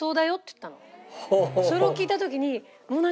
それを聞いた時にもう。